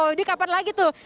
jadi kapan lagi tuh